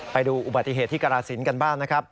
ไปดูอุบัติเหตุที่กราศิลป์กันบ้างนะครับ